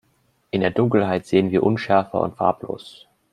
In der Dunkelheit sehen wir unschärfer und farblos.